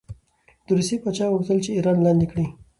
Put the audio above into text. د روسیې پاچا غوښتل چې ایران لاندې کړي.